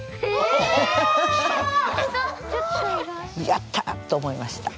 「やった！」と思いました。